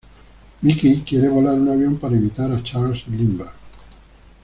Mickey quiere volar un avión para imitar a Charles Lindbergh.